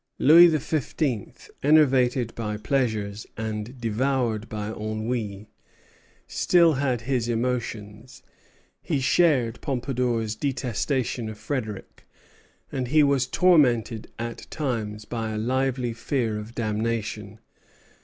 Louis XV., enervated by pleasures and devoured by ennui, still had his emotions; he shared Pompadour's detestation of Frederic, and he was tormented at times by a lively fear of damnation.